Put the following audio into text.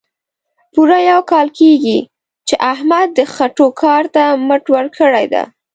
پوره یو کال کېږي، چې احمد د خټو کار ته مټ ورکړې ده.